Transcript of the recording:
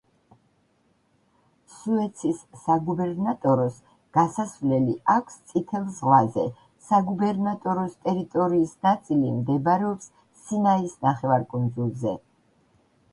სუეცის საგუბერნატოროს გასასვლელი აქვს წითელ ზღვაზე, საგუბერნატოროს ტერიტორიის ნაწილი მდებარეობს სინაის ნახევარკუნძულზე.